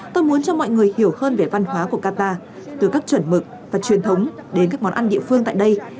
tôi muốn cho mọi người hiểu hơn về văn hóa của arpa từ các chuẩn mực và truyền thống đến các món ăn địa phương tại đây